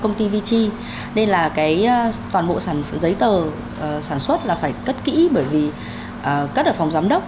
giấy tờ sản xuất là phải cất kỹ bởi vì cất ở phòng giám đốc